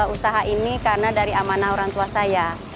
usaha ini karena dari amanah orangtua saya